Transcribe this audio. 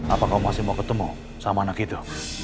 apa kau masih mau ketemu sama anak itu